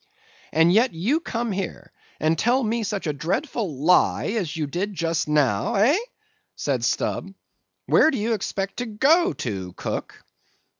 And yet you come here, and tell me such a dreadful lie as you did just now, eh?" said Stubb. "Where do you expect to go to, cook?"